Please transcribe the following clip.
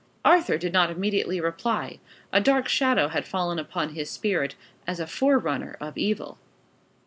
Arthur did not immediately reply. A dark shadow had fallen upon his spirit, as a forerunner of evil.